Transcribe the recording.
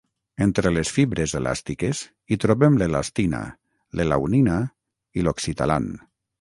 Entre les fibres elàstiques hi trobem l'elastina, l'elaunina i l'oxitalan.